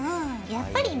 やっぱりね。ね